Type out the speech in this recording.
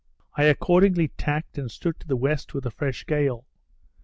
I accordingly tacked and stood to the west with a fresh gale.